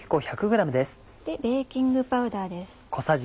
ベーキングパウダーです。